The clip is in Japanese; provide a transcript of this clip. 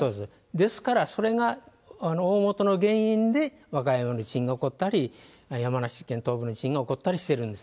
ですから、それが大本の原因で、和歌山の地震が起こったり、山梨県東部の地震が起こったりしてるんです。